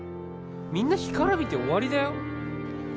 みんな干からびて終わりだよ